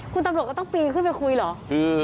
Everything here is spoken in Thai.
คุณตำรวจก็ต้องปีนขึ้นไปคุยเหรอ